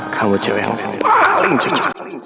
kamu cewek yang paling cinta